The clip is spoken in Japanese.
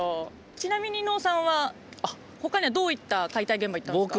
ちなみに伊野尾さんは他にはどういった解体現場行ったんですか？